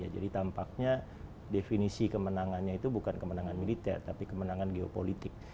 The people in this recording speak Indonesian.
jadi tampaknya definisi kemenangannya itu bukan kemenangan militer tapi kemenangan geopolitik